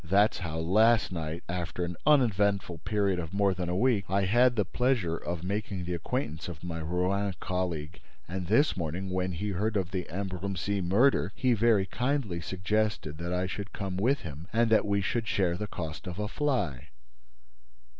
That is how, last night, after an uneventful period of more than a week, I had the pleasure of making the acquaintance of my Rouen colleague; and, this morning, when he heard of the Ambrumésy murder, he very kindly suggested that I should come with him and that we should share the cost of a fly."